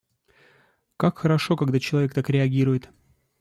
Как хорошо, когда человек так реагирует.